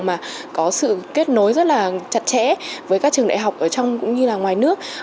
mà có sự kết nối rất là chặt chẽ với các trường đại học ở trong cũng như là ngoài nước